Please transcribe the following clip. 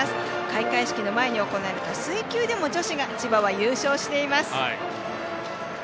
開会式の前に行われた水球でも女子が千葉は優勝しています。